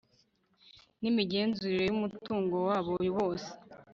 n imigenzurire by umutungo wa bo bose